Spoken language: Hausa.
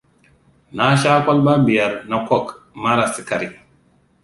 Na sha kwalba biyar na coke mara sikari.